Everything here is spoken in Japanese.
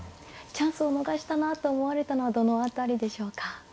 チャンスを逃したなと思われたのはどの辺りでしょうか。